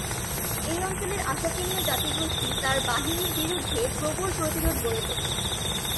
এই অঞ্চলের আসাকেনীয় জাতিগোষ্ঠী তাঁর বাহিনীর বিরুদ্ধে প্রবল প্রতিরোধ গড়ে তোলে।